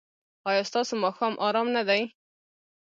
ایا ستاسو ماښام ارام نه دی؟